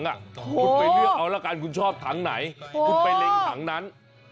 คุณไปเลือกเอาละกันคุณชอบถังไหนคุณไปเล็งถังนั้น